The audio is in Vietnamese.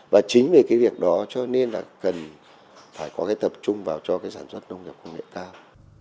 và chính vì cái việc đó cho nên là cần phải có cái tập trung vào cho cái sản xuất nông nghiệp công nghệ cao